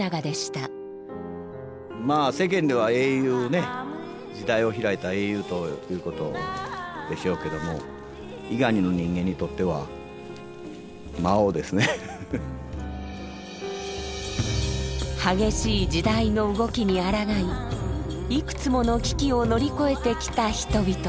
まあ世間では英雄ね時代を開いた英雄ということでしょうけども激しい時代の動きにあらがいいくつもの危機を乗り越えてきた人々。